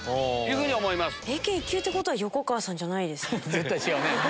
絶対違うね！